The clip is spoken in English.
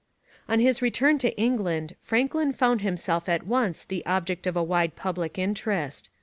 On his return to England Franklin found himself at once the object of a wide public interest.